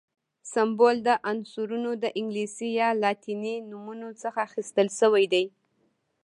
سمبول د عنصرونو د انګلیسي یا لاتیني نومونو څخه اخیستل شوی دی.